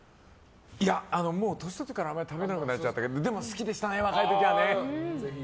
いや、もう年取ってからあんまり食べなくなっちゃったけどでも好きでしたね、若い時はね。